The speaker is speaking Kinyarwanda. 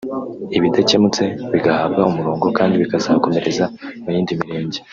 ibidakemutse bigahabwa umurongo kandi bikazakomereza mu yindi mirenge